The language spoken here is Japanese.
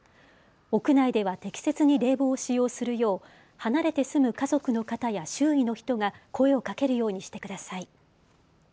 屋内では適切に冷房を使用するよう離れて住む家族の方や周囲の人が声をかけるようにしてください。